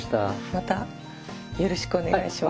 またよろしくお願いします。